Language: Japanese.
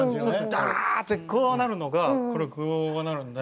ダーッてこうなるのがこれをこうなるんで。